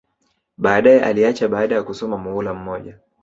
Baadae aliacha baada ya kusoma muhula mmoja